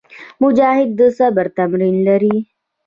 مجاهد د صبر تمرین لري.